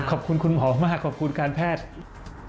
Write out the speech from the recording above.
ขอบคุณคุณหมอมากขอบคุณการแพทย์